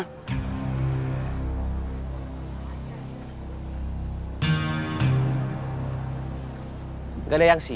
kalau gak ada yang siap